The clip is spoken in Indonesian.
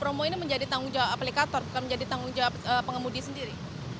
dan juga promo ini menjadi tanggung jawab aplikator bukan menjadi tanggung jawab pengemudi sendiri